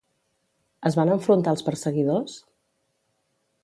Es van enfrontar als perseguidors?